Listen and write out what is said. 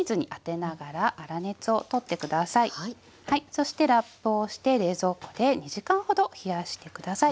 そしてラップをして冷蔵庫で２時間ほど冷やして下さい。